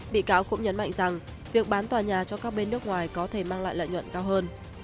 bị cáo cũng nhấn mạnh rằng việc bán tòa nhà cho các bên nước ngoài có thể mang lại lợi nhuận cao hơn